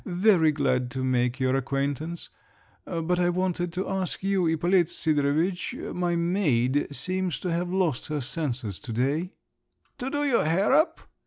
Very glad to make your acquaintance. But I wanted to ask you, Ippolit Sidorovitch…. My maid seems to have lost her senses to day …" "To do your hair up?"